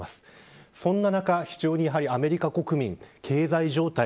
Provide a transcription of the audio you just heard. そんな中、アメリカ国民経済状態